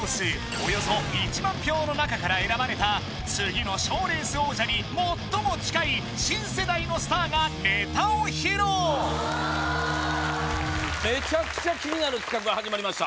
およそ１万票の中から選ばれた次の賞レース王者に最も近い新世代のスターがネタを披露メチャクチャ気になる企画が始まりました